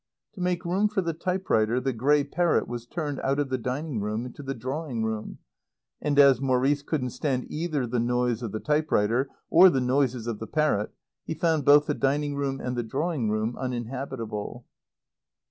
To make room for the type writer the grey parrot was turned out of the dining room into the drawing room. And as Maurice couldn't stand either the noise of the type writer or the noises of the parrot he found both the dining room and the drawing room uninhabitable.